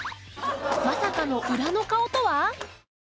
まさかの裏の顔とは？